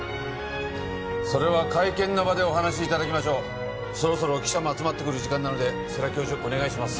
それは会見の場でお話しいただきましょうそろそろ記者も集まってくる時間なので世良教授お願いします